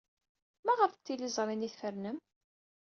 Maɣef d tizlit-nni ay tfernem?